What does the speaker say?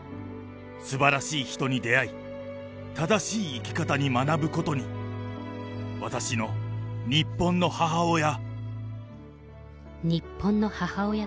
すばらしい人に出会い、正しい生き方に学ぶことに、私の日本の母親。